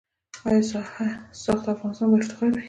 آیا "ساخت افغانستان" به افتخار وي؟